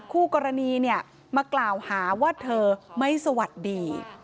คู่กรณีมากล่าวหาว่าเธอไม่สวัสดี